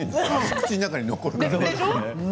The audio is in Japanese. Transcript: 口の中に残るから。